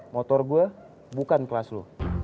motor gue bukan kelas lo